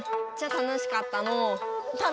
楽しかったのう！